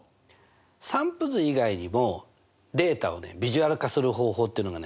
散布図以外にもデータをねビジュアル化する方法っていうのがね